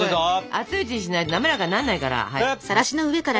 熱いうちにしないとなめらかになんないから。